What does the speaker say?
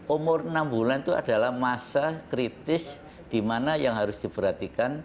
umur enam bulan itu adalah masa kritis di mana yang harus diperhatikan